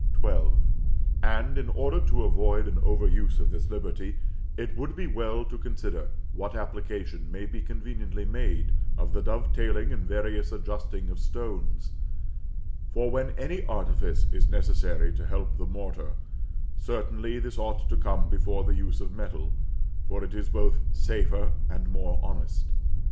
XII. And, in order to avoid an over use of this liberty, it would be well to consider what application may be conveniently made of the dovetailing and various adjusting of stones; for when any artifice is necessary to help the mortar, certainly this ought to come before the use of metal, for it is both safer and more honest.